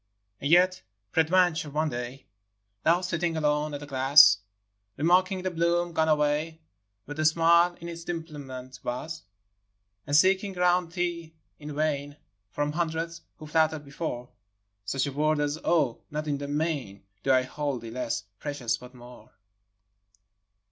IV. And yet peradventure one day Thou, sitting alone at the glass, Remarking the bloom gone away, Where the smile in its dimplement was, v. And seeking around thee in vain, From hundreds who flattered before, Such a word as, " Oh, not in the main Do I hold thee less precious, but more